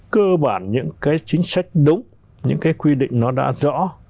cơ bản những cái chính sách đúng những cái quy định nó đã rõ